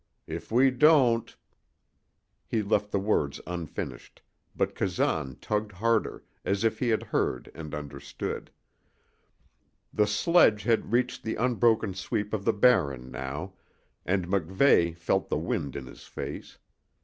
If we don't " He left the words unfinished, but Kazan tugged harder, as if he had heard and understood. The sledge had reached the unbroken sweep of the Barren now, and MacVeigh felt the wind in his face.